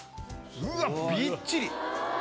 うわっ、びっちり。